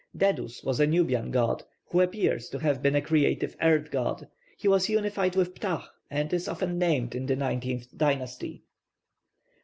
+Dedun+ was a Nubian god, who appears to have been a creative earth god. He was unified with Ptah, and is often named in the nineteenth dynasty.